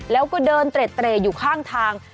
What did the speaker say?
แล้วก็เดินเตร่อยู่ข้างทาง